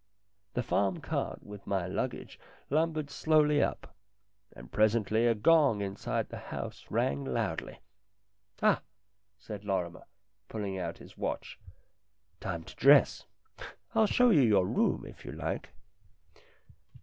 The farm cart, with my luggage, lumbered slowly up, and presently a gong inside the house rang loudly. "Ah!" said Lorrimer, pulling out his watch, "time to dress. I'll show you your room if you like."